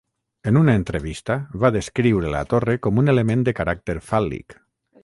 En una entrevista, va descriure la torre com un element de caràcter fàl·lic.